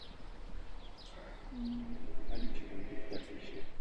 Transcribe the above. Kostel slouží místní farnosti.